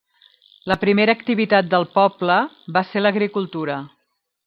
La primera activitat del poble va ser l'agricultura.